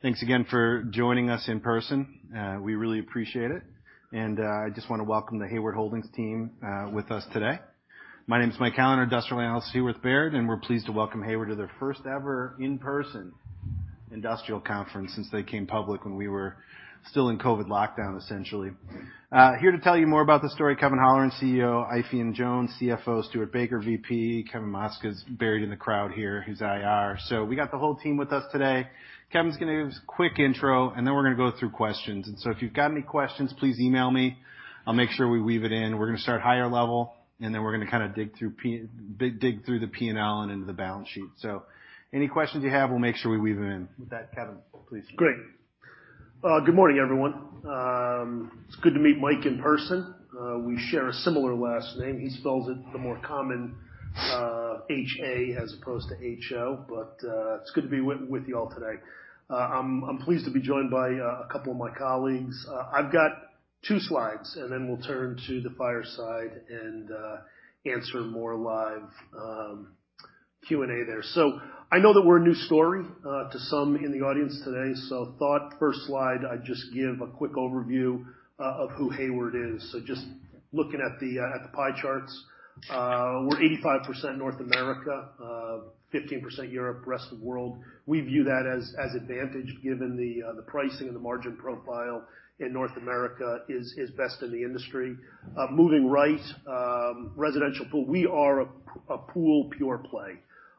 Thanks again for joining us in person. We really appreciate it. I just want to welcome the Hayward Holdings team with us today. My name is Michael Halloran, industrial analyst at Baird, and we're pleased to welcome Hayward to their first ever in-person industrial conference since they came public when we were still in COVID lockdown, essentially. Here to tell you more about the story, Kevin Holleran, CEO, Eifion Jones, CFO, Stuart Baker, VP. Kevin Maczka is buried in the crowd here. He's IR. We got the whole team with us today. Kevin's going to give us a quick intro, and then we're going to go through questions. If you've got any questions, please email me. I'll make sure we weave it in. We're going to start higher level, and then we're going to dig through the P&L and into the balance sheet. Any questions you have, we'll make sure we weave them in. With that, Kevin, please. Great. Good morning, everyone. It's good to meet Michael in person. We share a similar last name. He spells it the more common H-A as opposed to H-O. It's good to be with you all today. I'm pleased to be joined by a couple of my colleagues. I've got two slides, and then we'll turn to the fireside and answer more live Q&A there. I know that we're a new story to some in the audience today. Thought first slide, I'd just give a quick overview of who Hayward is. Just looking at the pie charts. We're 85% North America, 15% Europe, rest of world. We view that as advantage given the pricing and the margin profile in North America is best in the industry. Moving right, residential pool. We are a pool pure play,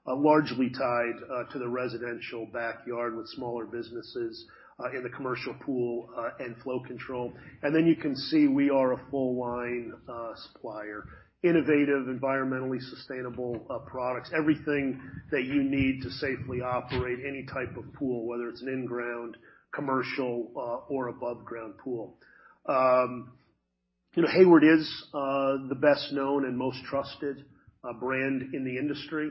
largely tied to the residential backyard with smaller businesses in the commercial pool and flow control. You can see we are a full line supplier, innovative, environmentally sustainable products, everything that you need to safely operate any type of pool, whether it's an in-ground, commercial or above ground pool. Hayward is the best known and most trusted brand in the industry.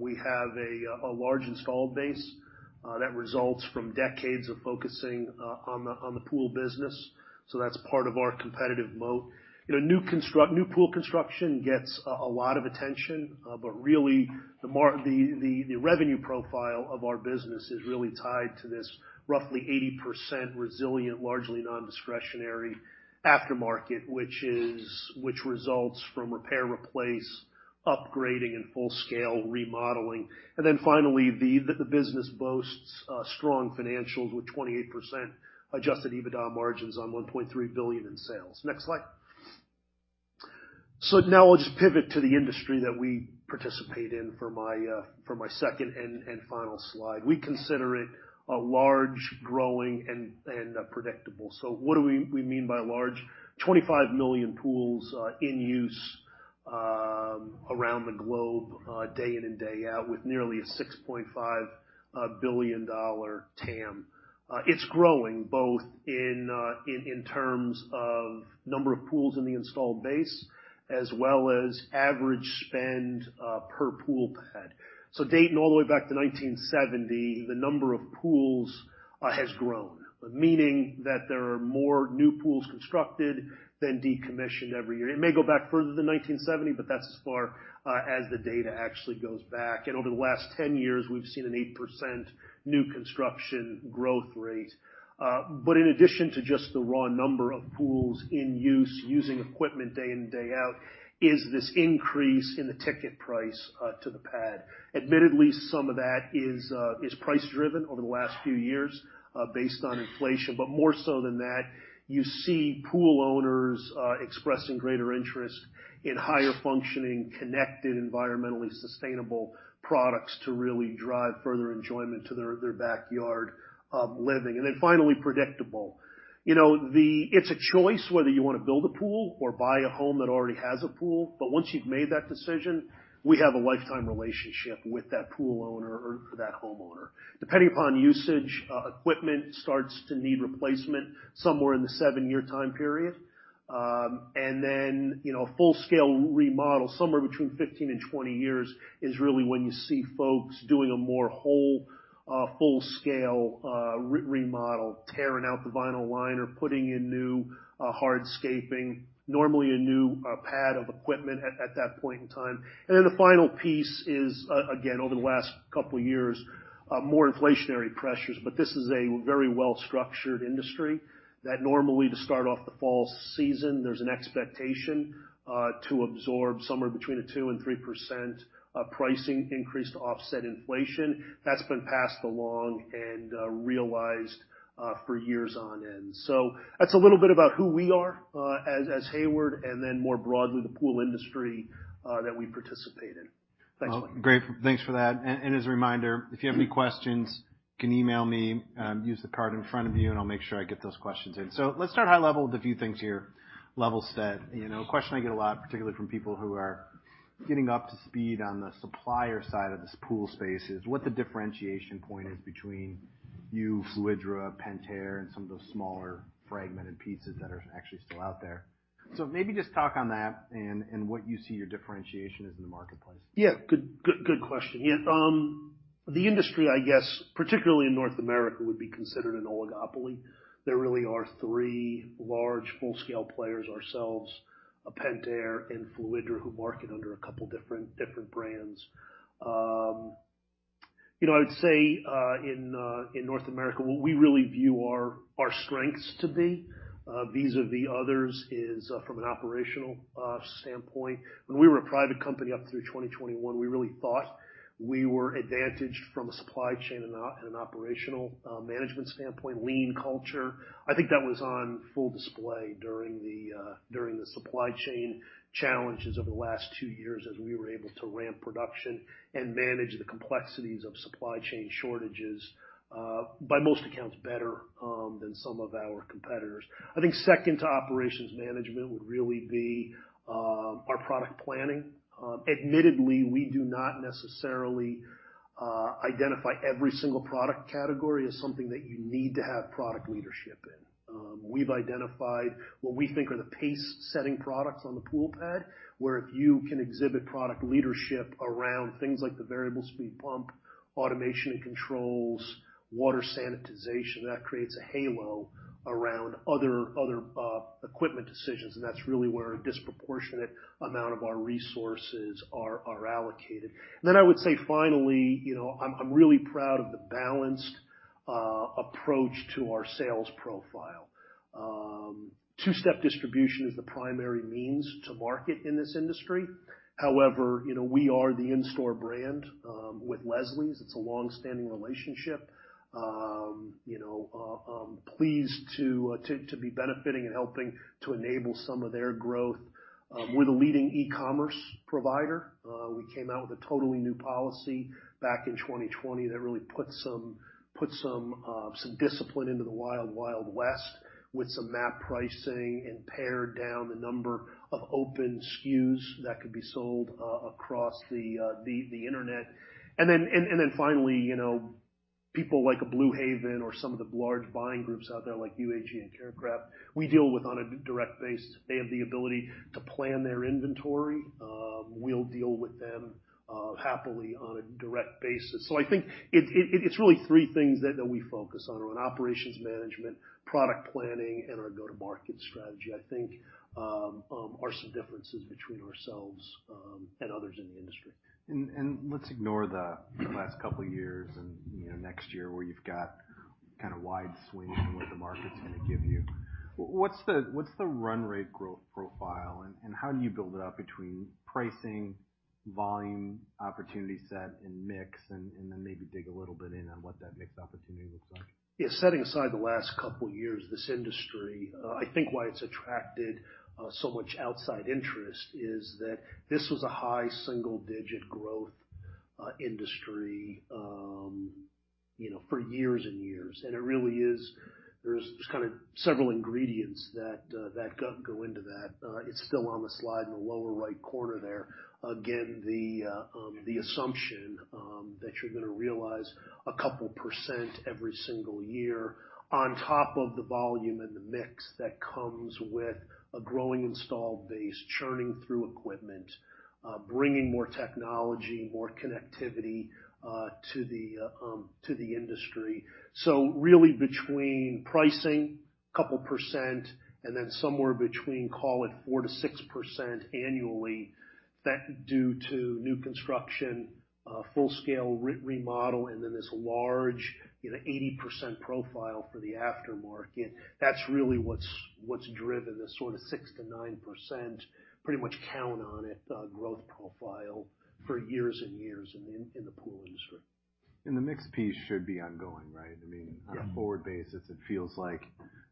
We have a large installed base that results from decades of focusing on the pool business. That's part of our competitive moat. New pool construction gets a lot of attention, really, the revenue profile of our business is really tied to this roughly 80% resilient, largely non-discretionary aftermarket, which results from repair, replace, upgrading, and full scale remodeling. Finally, the business boasts strong financials with 28% adjusted EBITDA margins on $1.3 billion in sales. Next slide. Now I'll just pivot to the industry that we participate in for my second and final slide. We consider it large, growing, and predictable. What do we mean by large? 25 million pools are in use around the globe day in and day out, with nearly a $6.5 billion TAM. It's growing both in terms of number of pools in the installed base as well as average spend per pool PAD. Dating all the way back to 1970, the number of pools has grown, meaning that there are more new pools constructed than decommissioned every year. It may go back further than 1970, but that's as far as the data actually goes back. Over the last 10 years, we've seen an 8% new construction growth rate. In addition to just the raw number of pools in use, using equipment day in and day out, is this increase in the ticket price to the PAD. Admittedly, some of that is price driven over the last few years based on inflation. More so than that, you see pool owners expressing greater interest in higher functioning, connected, environmentally sustainable products to really drive further enjoyment to their backyard living. Finally, predictable. It's a choice whether you want to build a pool or buy a home that already has a pool. Once you've made that decision, we have a lifetime relationship with that pool owner or that homeowner. Depending upon usage, equipment starts to need replacement somewhere in the seven-year time period. Full scale remodel, somewhere between 15 and 20 years is really when you see folks doing a more whole, full scale remodel, tearing out the vinyl liner, putting in new hardscaping, normally a new PAD of equipment at that point in time. The final piece is, again, over the last couple of years, more inflationary pressures, but this is a very well-structured industry that normally to start off the fall season, there's an expectation to absorb somewhere between a 2% and 3% pricing increase to offset inflation. That's been passed along and realized for years on end. That's a little bit about who we are as Hayward, and then more broadly, the pool industry that we participate in. Thanks, Mike. Great. Thanks for that. As a reminder, if you have any questions, you can email me, use the card in front of you, and I'll make sure I get those questions in. Let's start high level with a few things here. Level set. A question I get a lot, particularly from people who are getting up to speed on the supplier side of this pool space, is what the differentiation point is between you, Fluidra, Pentair, and some of those smaller fragmented pieces that are actually still out there. Maybe just talk on that and what you see your differentiation is in the marketplace. Yeah. Good question. The industry, I guess, particularly in North America, would be considered an oligopoly. There really are three large full-scale players, ourselves, Pentair, and Fluidra, who market under a couple different brands. I would say, in North America, what we really view our strengths to be vis-a-vis others is from an operational standpoint. When we were a private company up through 2021, we really thought we were advantaged from a supply chain and an operational management standpoint, lean culture. I think that was on full display during the supply chain challenges over the last two years as we were able to ramp production and manage the complexities of supply chain shortages, by most accounts better than some of our competitors. I think second to operations management would really be our product planning. Admittedly, we do not necessarily identify every single product category as something that you need to have product leadership in. We've identified what we think are the pace-setting products on the pool PAD, where if you can exhibit product leadership around things like the variable speed pump, automation and controls, water sanitization, that creates a halo around other equipment decisions. That's really where a disproportionate amount of our resources are allocated. I would say finally, I'm really proud of the balanced approach to our sales profile. Two-step distribution is the primary means to market in this industry. However, we are the in-store brand with Leslie's. It's a long-standing relationship. I'm pleased to be benefiting and helping to enable some of their growth. We're the leading e-commerce provider. We came out with a totally new policy back in 2020 that really put some discipline into the Wild Wild West with some MAP pricing and pared down the number of open SKUs that could be sold across the internet. Finally, people like a Blue Haven or some of the large buying groups out there like UAG and Carecraft, we deal with on a direct basis. They have the ability to plan their inventory. We'll deal with them happily on a direct basis. I think it's really three things that we focus on. One, operations management, product planning, and our go-to-market strategy, I think are some differences between ourselves and others in the industry. Let's ignore the last couple of years and next year where you've got kind of wide swings in what the market's going to give you. What's the run rate growth profile, and how do you build it out between pricing, volume, opportunity set, and mix, and then maybe dig a little bit in on what that mix opportunity looks like? Yeah. Setting aside the last couple of years, this industry, I think why it's attracted so much outside interest is that this was a high single-digit growth industry for years and years. There's kind of several ingredients that go into that. It's still on the slide in the lower right corner there. Again, the assumption that you're going to realize a couple of percent every single year on top of the volume and the mix that comes with a growing installed base, churning through equipment, bringing more technology, more connectivity to the industry. Really between pricing, a couple of percent, and then somewhere between, call it 4%-6% annually, that due to new construction, full-scale remodel, and then this large 80% profile for the aftermarket. That's really what's driven this sort of 6%-9%, pretty much count on it, growth profile for years and years in the pool industry. The mix piece should be ongoing, right? Yeah. I mean, on a forward basis, it feels like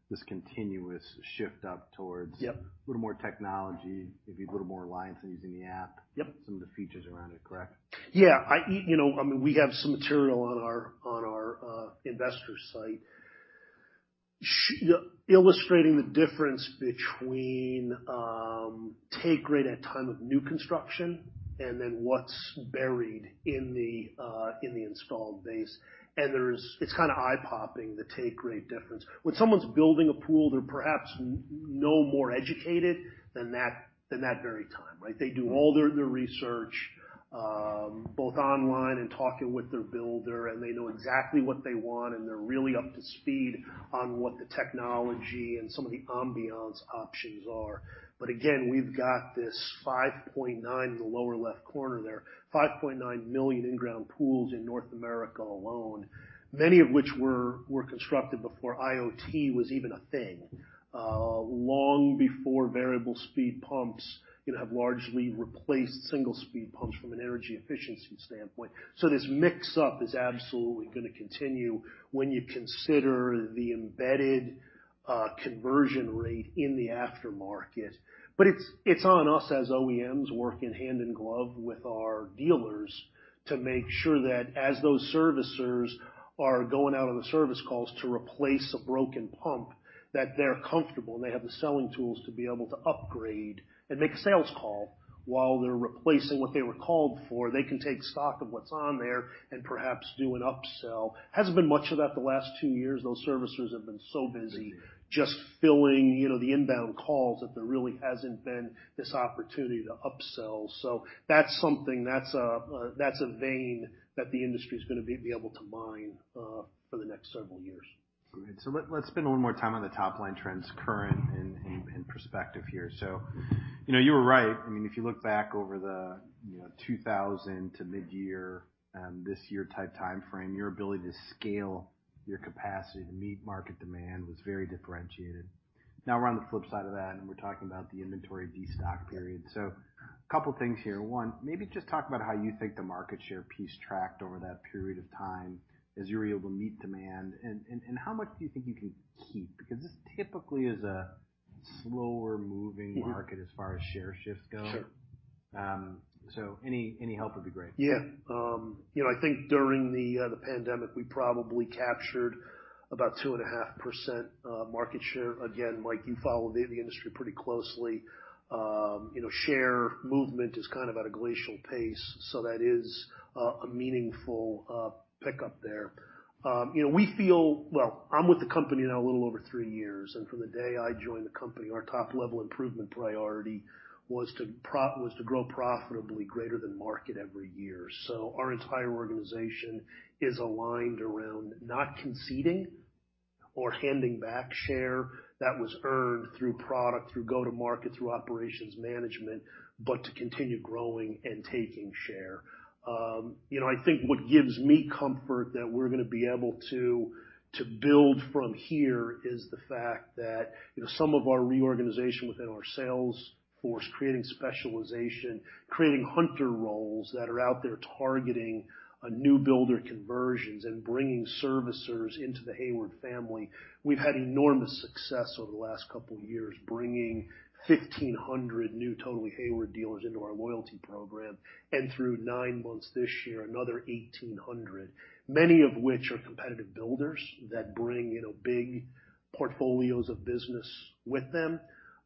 this continuous shift up towards. Yep a little more technology, maybe a little more reliance on using the app. Yep. Some of the features around it, correct? Yeah. We have some material on our investor site illustrating the difference between take rate at time of new construction, then what's buried in the installed base. It's kind of eye-popping, the take rate difference. When someone's building a pool, they're perhaps no more educated than that very time, right? They do all their research, both online and talking with their builder, and they know exactly what they want, and they're really up to speed on what the technology and some of the ambiance options are. Again, we've got this 5.9 in the lower left corner there, 5.9 million in-ground pools in North America alone, many of which were constructed before IoT was even a thing, long before variable speed pumps have largely replaced single speed pumps from an energy efficiency standpoint. This mix up is absolutely going to continue when you consider the embedded conversion rate in the aftermarket. It's on us as OEMs, working hand in glove with our dealers to make sure that as those servicers are going out on the service calls to replace a broken pump, that they're comfortable and they have the selling tools to be able to upgrade and make a sales call while they're replacing what they were called for. They can take stock of what's on there and perhaps do an upsell. Hasn't been much of that the last two years. Those servicers have been so busy just filling the inbound calls that there really hasn't been this opportunity to upsell. That's a vein that the industry's going to be able to mine for the next several years. Good. Let's spend a little more time on the top-line trends, current and perspective here. You were right. If you look back over the 2000 to mid-year, this year type timeframe, your ability to scale your capacity to meet market demand was very differentiated. Now we're on the flip side of that, and we're talking about the inventory destock period. Couple things here. One, maybe just talk about how you think the market share piece tracked over that period of time as you were able to meet demand, and how much do you think you can keep? Because this typically is a slower-moving market as far as share shifts go. Sure. Any help would be great. Yeah. I think during the pandemic, we probably captured about 2.5% market share. Again, Mike, you follow the industry pretty closely. Share movement is kind of at a glacial pace, that is a meaningful pickup there. We feel I'm with the company now a little over three years, and from the day I joined the company, our top-level improvement priority was to grow profitably greater than market every year. Our entire organization is aligned around not conceding or handing back share that was earned through product, through go-to-market, through operations management, but to continue growing and taking share. I think what gives me comfort that we're going to be able to build from here is the fact that some of our reorganization within our sales force, creating specialization, creating hunter roles that are out there targeting new builder conversions, and bringing servicers into the Hayward family. We've had enormous success over the last couple of years, bringing 1,500 new Totally Hayward dealers into our loyalty program. Through nine months this year, another 1,800, many of which are competitive builders that bring big portfolios of business with them.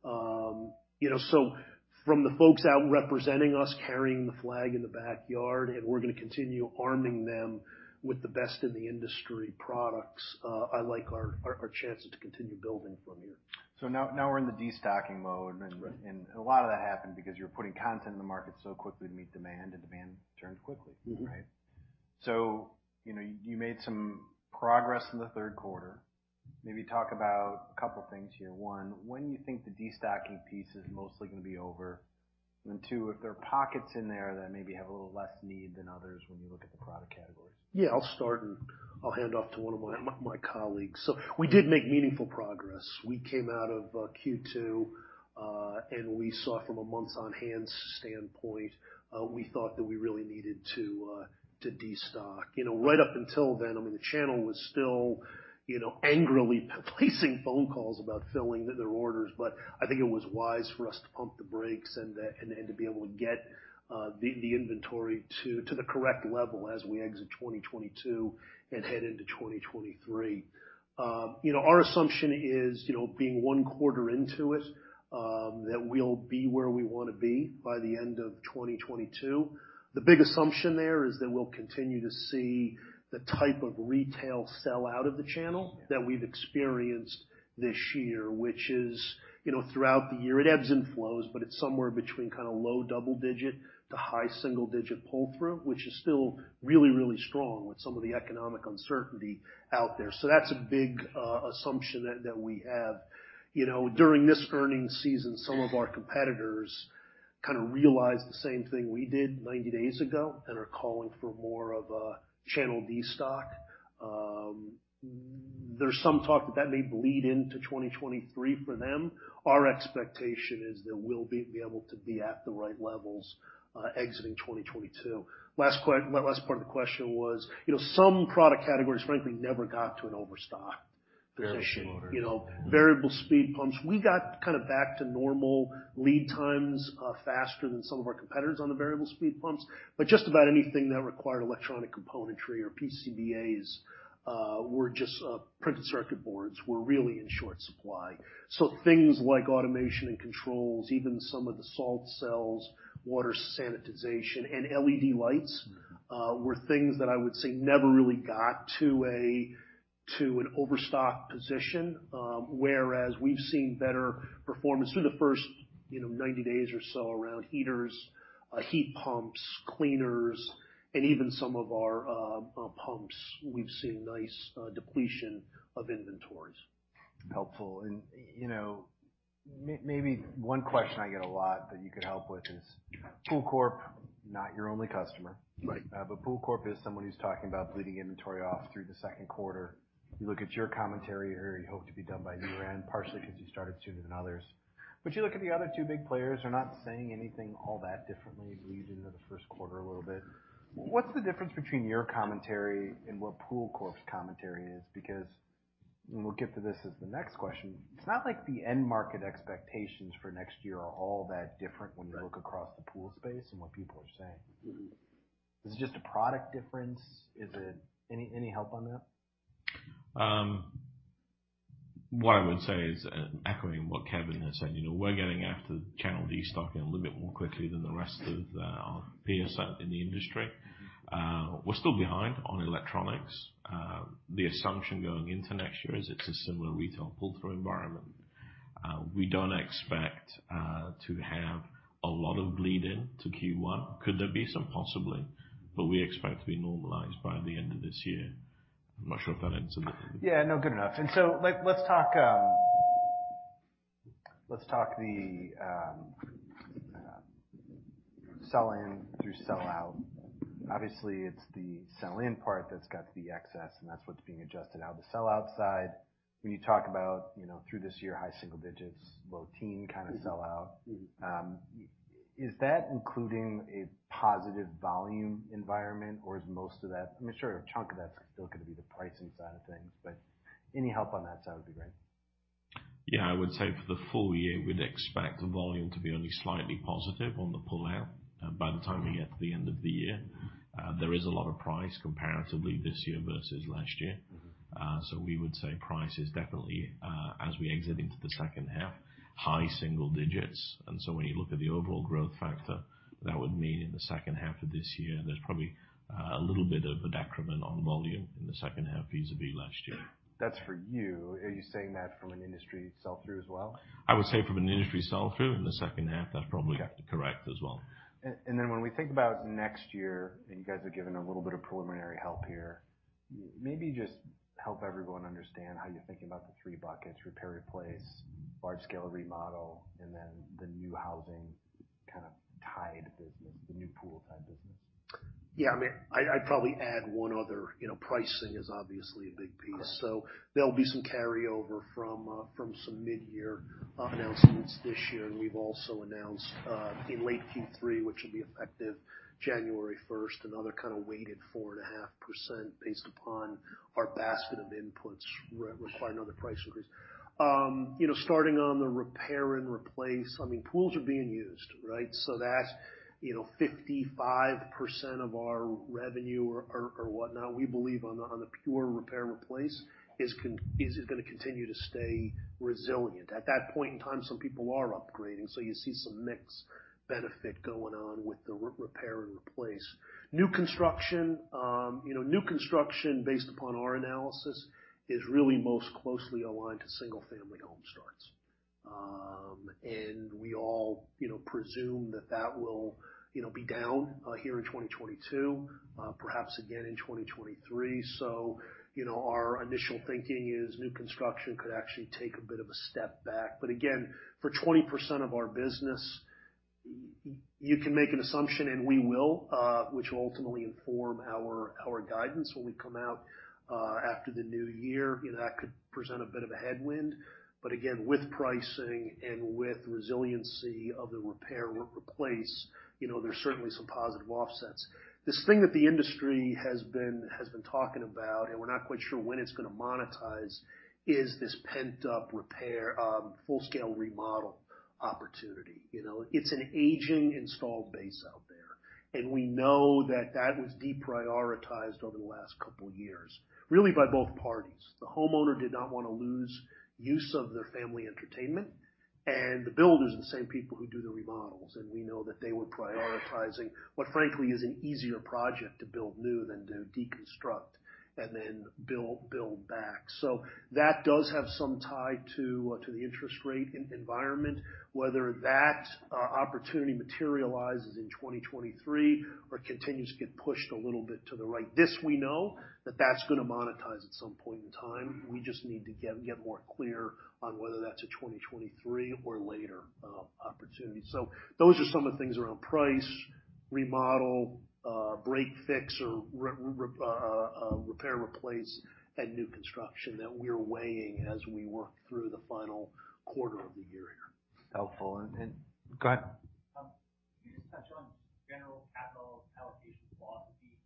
From the folks out representing us, carrying the flag in the backyard, and we're going to continue arming them with the best in the industry products. I like our chances to continue building from here. Now we're in the destocking mode. That's right. A lot of that happened because you were putting content in the market so quickly to meet demand, and demand turned quickly, right? You made some progress in the third quarter. Maybe talk about a couple things here. One, when you think the destocking piece is mostly going to be over. Two, if there are pockets in there that maybe have a little less need than others when you look at the product categories. I'll start, and I'll hand off to one of my colleagues. We did make meaningful progress. We came out of Q2, and we saw from a months-on-hand standpoint, we thought that we really needed to de-stock. Right up until then, the channel was still angrily placing phone calls about filling their orders. I think it was wise for us to pump the brakes and to be able to get the inventory to the correct level as we exit 2022 and head into 2023. Our assumption is, being one quarter into it, that we'll be where we want to be by the end of 2022. The big assumption there is that we'll continue to see the type of retail sell-out of the channel that we've experienced this year. Which is, throughout the year, it ebbs and flows, but it's somewhere between kind of low double-digit to high single-digit pull-through, which is still really strong with some of the economic uncertainty out there. That's a big assumption that we have. During this earnings season, some of our competitors kind of realized the same thing we did 90 days ago and are calling for more of a channel de-stock. There's some talk that may bleed into 2023 for them. Our expectation is that we'll be able to be at the right levels exiting 2022. Last part of the question was, some product categories, frankly, never got to an overstock position. Variable speed pumps. Variable speed pumps. We got kind of back to normal lead times faster than some of our competitors on the variable speed pumps. Just about anything that required electronic componentry or PCBAs, or just printed circuit boards, were really in short supply. Things like automation and controls, even some of the salt cells, water sanitization, and LED lights were things that I would say never really got to an overstock position. Whereas we've seen better performance through the first 90 days or so around heaters, heat pumps, cleaners, and even some of our pumps. We've seen nice depletion of inventories. Helpful. Maybe one question I get a lot that you could help with is PoolCorp, not your only customer. Right. PoolCorp is someone who's talking about bleeding inventory off through the second quarter. You look at your commentary here, you hope to be done by year-end, partially because you started sooner than others. You look at the other two big players, they're not saying anything all that differently, bleed into the first quarter a little bit. What's the difference between your commentary and what PoolCorp's commentary is? We'll get to this as the next question, it's not like the end market expectations for next year are all that different when you look across the pool space and what people are saying. Is it just a product difference? Any help on that? What I would say is echoing what Kevin has said. We're getting after the channel destocking a little bit more quickly than the rest of our peers in the industry. We're still behind on electronics. The assumption going into next year is it's a similar retail pull-through environment. We don't expect to have a lot of bleed in to Q1. Could there be some? Possibly. We expect to be normalized by the end of this year. I'm not sure if that answers it. Yeah, no. Good enough. Let's talk the sell in through sell out. Obviously it's the sell in part that's got the excess, and that's what's being adjusted out the sell out side. When you talk about through this year, high single digits, low teen kind of sell out. Is that including a positive volume environment or is most of that? I'm sure a chunk of that's still going to be the pricing side of things. Any help on that side would be great. Yeah. I would say for the full year, we'd expect the volume to be only slightly positive on the pull out by the time we get to the end of the year. There is a lot of price comparatively this year versus last year. We would say price is definitely, as we exit into the second half, high single digits. When you look at the overall growth factor, that would mean in the second half of this year, there's probably a little bit of a decrement on volume in the second half vis-a-vis last year. That's for you. Are you saying that from an industry sell-through as well? I would say from an industry sell-through in the second half, that's probably correct as well. When we think about next year, and you guys have given a little bit of preliminary help here, maybe just help everyone understand how you're thinking about the three buckets, repair and replace, large scale remodel, and then the new housing kind of tide business, the new pool tide business. Yeah. I'd probably add one other. Pricing is obviously a big piece. Correct. There'll be some carryover from some mid-year announcements this year, and we've also announced, in late Q3, which will be effective January 1st, another kind of weighted 4.5% based upon our basket of inputs require another price increase. Starting on the repair and replace, pools are being used, right? That's 55% of our revenue or whatnot, we believe on the pure repair and replace is going to continue to stay resilient. At that point in time, some people are upgrading, you see some mix benefit going on with the repair and replace. New construction based upon our analysis is really most closely aligned to single family home starts. We all presume that that will be down here in 2022, perhaps again in 2023. Our initial thinking is new construction could actually take a bit of a step back. Again, for 20% of our business, you can make an assumption and we will, which will ultimately inform our guidance when we come out after the new year. That could present a bit of a headwind, but again, with pricing and with resiliency of the repair, replace, there's certainly some positive offsets. This thing that the industry has been talking about, we're not quite sure when it's going to monetize, is this pent-up repair, full-scale remodel opportunity. It's an aging installed base out there, we know that that was deprioritized over the last couple of years, really by both parties. The homeowner did not want to lose use of their family entertainment, the builders are the same people who do the remodels, we know that they were prioritizing what frankly is an easier project to build new than to deconstruct and then build back. That does have some tie to the interest rate environment, whether that opportunity materializes in 2023 or continues to get pushed a little bit to the right. This we know that that's going to monetize at some point in time. We just need to get more clear on whether that's a 2023 or later opportunity. Those are some of the things around price, remodel, break, fix, or repair, replace and new construction that we're weighing as we work through the final quarter of the year here. Helpful. Go ahead. Can you just touch on general capital allocation philosophy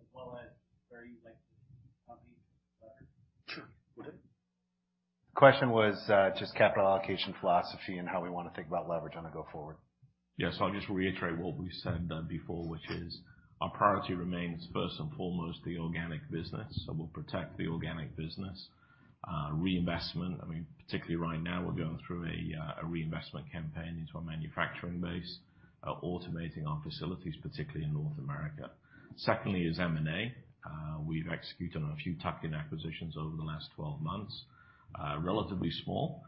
as well as where you'd like the company to leverage? The question was, just capital allocation philosophy and how we want to think about leverage on a go forward. Yeah. I'll just reiterate what we said before, which is our priority remains first and foremost the organic business. We'll protect the organic business. Reinvestment, particularly right now, we're going through a reinvestment campaign into our manufacturing base, automating our facilities, particularly in North America. Secondly is M&A. We've executed on a few tuck-in acquisitions over the last 12 months. Relatively small,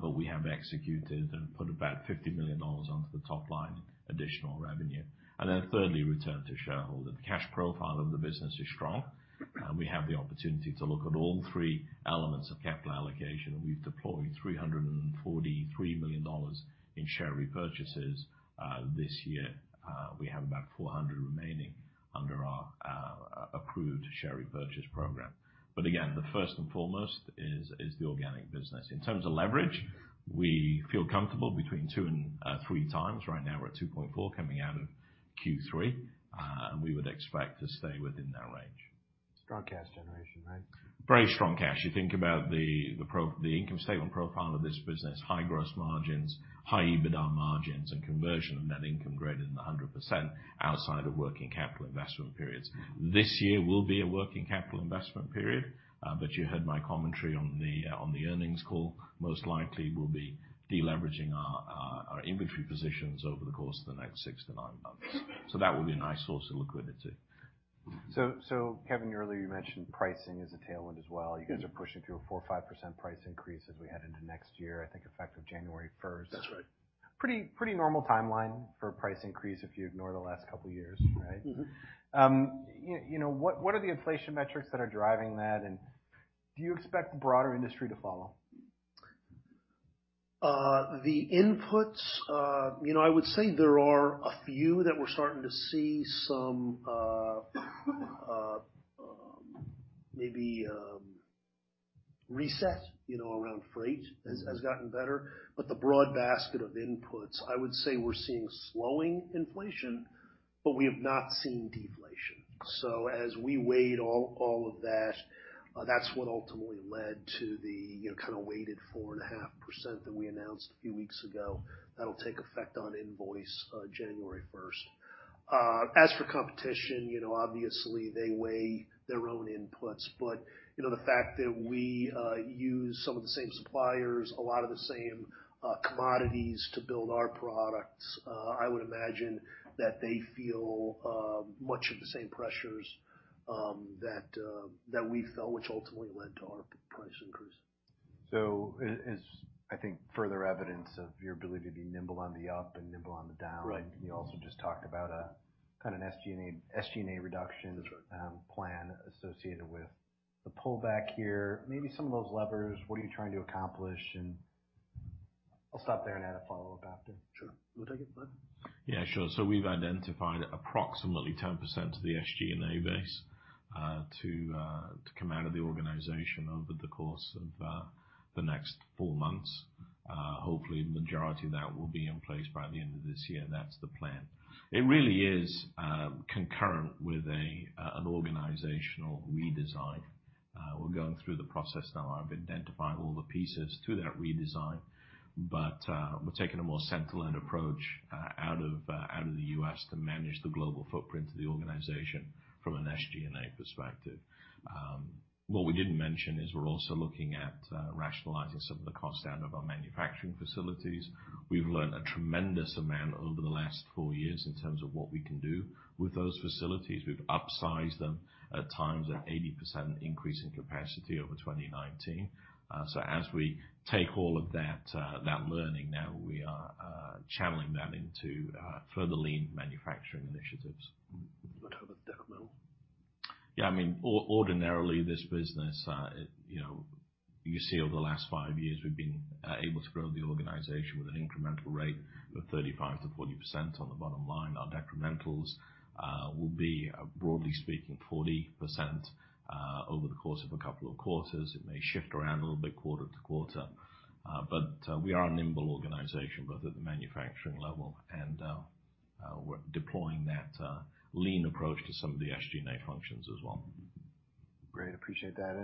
but we have executed and put about $50 million onto the top line additional revenue. Thirdly, return to shareholder. The cash profile of the business is strong. We have the opportunity to look at all three elements of capital allocation, and we've deployed $343 million in share repurchases this year. We have about 400 remaining under our approved share repurchase program. Again, the first and foremost is the organic business. In terms of leverage, we feel comfortable between two and three times. Right now we're at 2.4 coming out of Q3, we would expect to stay within that range. Strong cash generation, right? Very strong cash. You think about the income statement profile of this business, high gross margins, high EBITDA margins and conversion of net income greater than 100% outside of working capital investment periods. This year will be a working capital investment period, you heard my commentary on the earnings call. Most likely we'll be deleveraging our inventory positions over the course of the next six to nine months. That will be a nice source of liquidity. Kevin, earlier you mentioned pricing is a tailwind as well. You guys are pushing through a 4% or 5% price increase as we head into next year. I think effective January 1st. That's right. Pretty normal timeline for a price increase if you ignore the last couple of years, right? What are the inflation metrics that are driving that? Do you expect the broader industry to follow? The inputs, I would say there are a few that we're starting to see some maybe reset around freight has gotten better. The broad basket of inputs, I would say we're seeing slowing inflation, but we have not seen deflation. As we weighed all of that's what ultimately led to the kind of weighted 4.5% that we announced a few weeks ago. That'll take effect on invoice January 1st. As for competition, obviously, they weigh their own inputs. The fact that we use some of the same suppliers, a lot of the same commodities to build our products, I would imagine that they feel much of the same pressures that we felt, which ultimately led to our price increase. As, I think, further evidence of your ability to be nimble on the up and nimble on the down. Right. You also just talked about a kind of SG&A reduction. That's right. plan associated with the pullback here, maybe some of those levers, what are you trying to accomplish. I'll stop there and add a follow-up after. Sure. You want to take it, Eifion? Yeah, sure. We've identified approximately 10% of the SG&A base to come out of the organization over the course of the next four months. Hopefully, the majority of that will be in place by the end of this year. That's the plan. It really is concurrent with an organizational redesign. We're going through the process now of identifying all the pieces to that redesign. We're taking a more central approach out of the U.S. to manage the global footprint of the organization from an SG&A perspective. What we didn't mention is we're also looking at rationalizing some of the cost out of our manufacturing facilities. We've learned a tremendous amount over the last four years in terms of what we can do with those facilities. We've upsized them at times at 80% increase in capacity over 2019. As we take all of that learning now, we are channeling that into further lean manufacturing initiatives. What type of delta? Yeah, ordinarily this business, you see over the last five years, we've been able to grow the organization with an incremental rate of 35%-40% on the bottom line. Our decrementals will be, broadly speaking, 40% over the course of a couple of quarters. It may shift around a little bit quarter-to-quarter. We are a nimble organization, both at the manufacturing level and we're deploying that lean approach to some of the SG&A functions as well. Great. Appreciate that.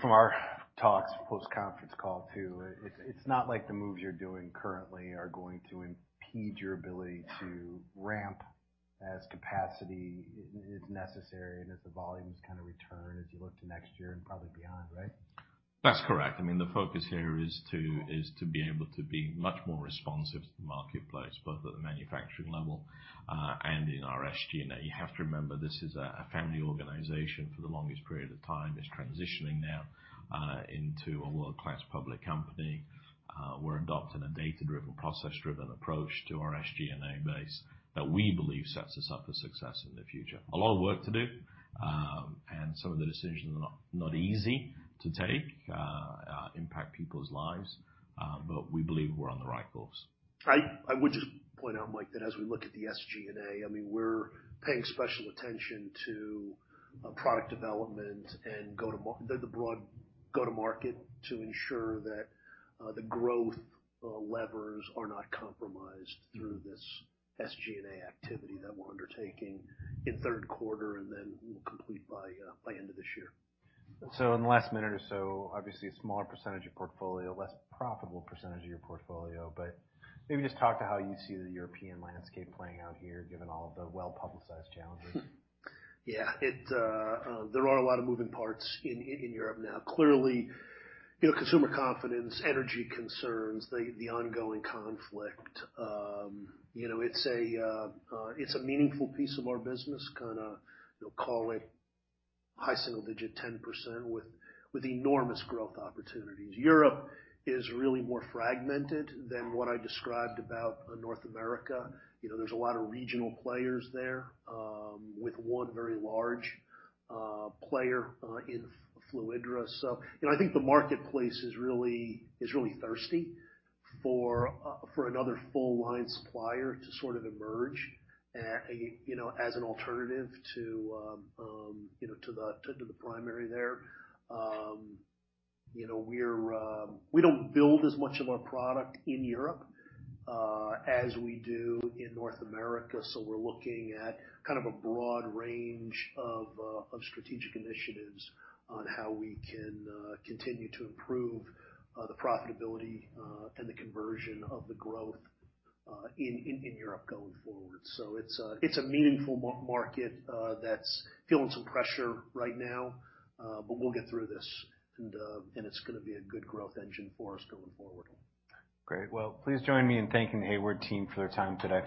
From our talks post-conference call too, it's not like the moves you're doing currently are going to impede your ability to ramp as capacity is necessary and as the volumes kind of return as you look to next year and probably beyond, right? That's correct. The focus here is to be able to be much more responsive to the marketplace, both at the manufacturing level and in our SG&A. You have to remember this is a family organization for the longest period of time, it's transitioning now into a world-class public company. We're adopting a data-driven, process-driven approach to our SG&A base that we believe sets us up for success in the future. A lot of work to do, some of the decisions are not easy to take, impact people's lives. We believe we're on the right course. I would just point out, Mike, that as we look at the SG&A, we're paying special attention to product development and the broad go-to-market to ensure that the growth levers are not compromised through this SG&A activity that we're undertaking in the third quarter and then we'll complete by end of this year. In the last minute or so, obviously a smaller percentage of your portfolio, less profitable percentage of your portfolio, but maybe just talk to how you see the European landscape playing out here, given all of the well-publicized challenges. There are a lot of moving parts in Europe now. Clearly, consumer confidence, energy concerns, the ongoing conflict. It's a meaningful piece of our business, call it high single digit 10% with enormous growth opportunities. Europe is really more fragmented than what I described about North America. There's a lot of regional players there, with one very large player in Fluidra. I think the marketplace is really thirsty for another full line supplier to sort of emerge as an alternative to the primary there. We don't build as much of our product in Europe as we do in North America, we're looking at kind of a broad range of strategic initiatives on how we can continue to improve the profitability and the conversion of the growth in Europe going forward. It's a meaningful market that's feeling some pressure right now. We'll get through this, and it's going to be a good growth engine for us going forward. Great. Well, please join me in thanking the Hayward team for their time today.